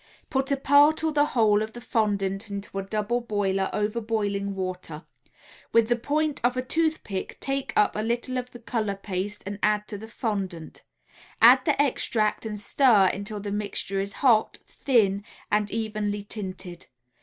Put a part or the whole of the fondant into a double boiler over boiling water. With the point of a toothpick take up a little of the color paste and add to the fondant; add the extract and stir until the mixture is hot, thin and evenly tinted.